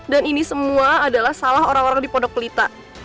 dan ini semua adalah salah orang orang dipondok pelita